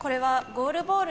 ゴールボール？